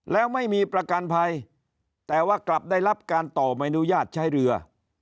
แล้วไม่มีประกันภัยแต่ว่ากลับได้รับการต่อไม่อนุญาตใช้เรือ